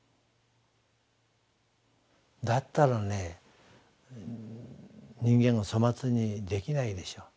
だったらね人間を粗末にできないでしょう。